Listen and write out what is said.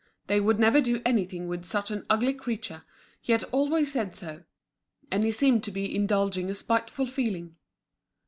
They would never do anything with such an ugly creature, he had always said so; and he seemed to be indulging a spiteful feeling.